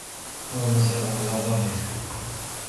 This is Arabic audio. هو مازال على ظهره.